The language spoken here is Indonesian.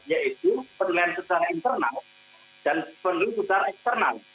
yaitu penilaian secara internal dan penilai secara eksternal